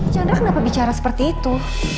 chandra kenapa bicara seperti itu